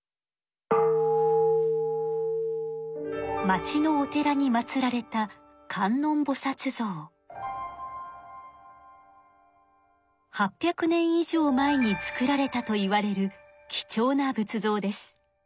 町のお寺に祭られた８００年以上前に作られたといわれるきちょうな仏像です。